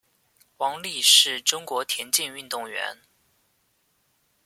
王丽是中国田径运动员。